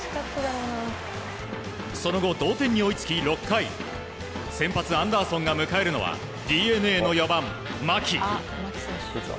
その後、同点に追いつき６回先発アンダーソンが迎えるのはＤｅＮＡの４番、牧。